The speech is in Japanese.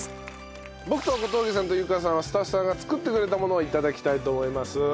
僕と小峠さんと由佳さんはスタッフさんが作ってくれたものを頂きたいと思います。